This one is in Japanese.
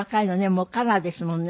もうカラーですもんね。